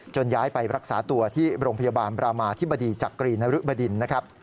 ย้ายไปรักษาตัวที่โรงพยาบาลบรามาธิบดีจักรีนรึบดินนะครับ